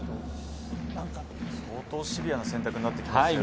相当シビアな選択になってきますよね。